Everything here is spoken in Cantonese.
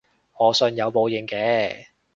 我信有報應嘅